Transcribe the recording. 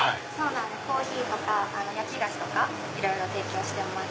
コーヒーとか焼き菓子とかいろいろ提供してます。